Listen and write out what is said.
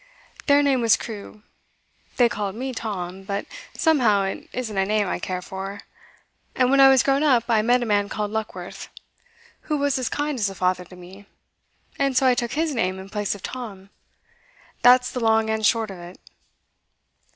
Their name was Crewe. They called me Tom, but somehow it isn't a name I care for, and when I was grown up I met a man called Luckworth, who was as kind as a father to me, and so I took his name in place of Tom. That's the long and short of it.